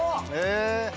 え。